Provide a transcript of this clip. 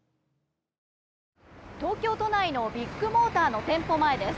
東京都内のビッグモーターの店舗前です。